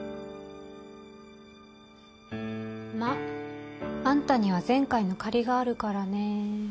まああんたには前回の借りがあるからね。